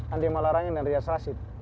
andi malarangin dan riaz rasid